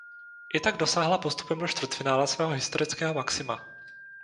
I tak dosáhla postupem do čtvrtfinále svého historického maxima.